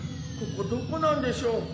ここどこなんでしょう？